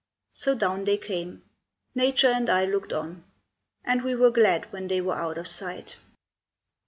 So down they came. Nature and I looked on, And we were glad when they were out of sight.